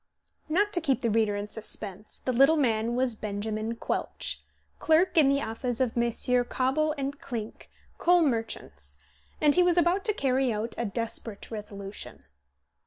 Not to keep the reader in suspense, the little man was Benjamin Quelch, clerk in the office of Messrs. Cobble & Clink, coal merchants, and he was about to carry out a desperate resolution.